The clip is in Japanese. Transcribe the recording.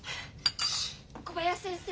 小林先生。